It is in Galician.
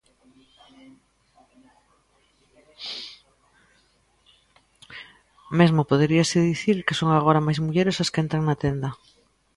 Mesmo poderíase dicir que son agora máis mulleres as que entran na tenda.